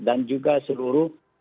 dan juga seluruh